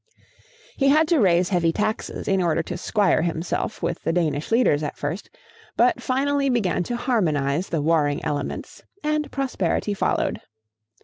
He had to raise heavy taxes in order to 'squire himself with the Danish leaders at first, but finally began to harmonize the warring elements, and prosperity followed.